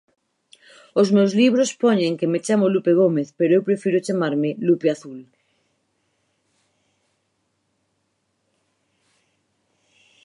Os meus libros poñen que me chamo Lupe Gómez pero eu prefiro chamarme Lupeazul.